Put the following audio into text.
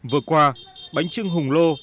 vừa qua bánh trưng hùng lô